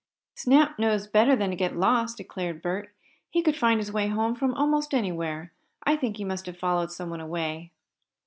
"Snap knows better than to get lost," declared Bert. "He could find his way home from almost anywhere. I think he must have followed someone away."